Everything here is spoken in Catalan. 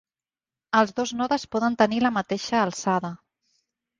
Els dos nodes poden tenir la mateixa alçada.